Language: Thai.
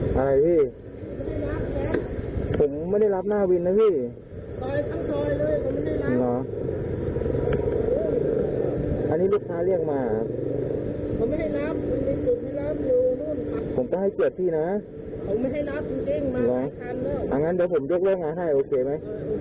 นักท่องเที่ยวชาวจีนคนนี้ถึงกับหน้าเว้อแบบนี้ค่ะ